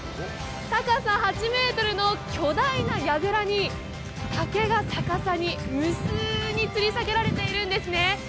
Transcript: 高さ８ｍの巨大なやぐらに竹が逆さに無数につり下げられているんですね。